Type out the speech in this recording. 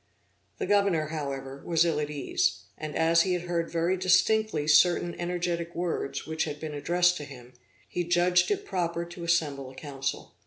The governor, however, was ill at ease; and as he had heard very distinctly certain energetic words which had been addressed to him, he judged it proper to assemble a council.